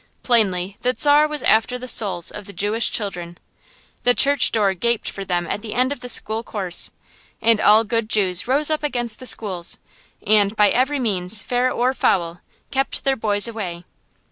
Plainly the Czar was after the souls of the Jewish children. The church door gaped for them at the end of the school course. And all good Jews rose up against the schools, and by every means, fair or foul, kept their boys away.